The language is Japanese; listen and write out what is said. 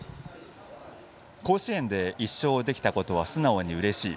甲子園で１勝できたことは素直にうれしい。